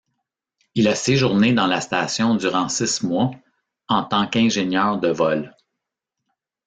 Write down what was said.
Il a séjourné dans la station durant six mois en tant qu'ingénieur de vol.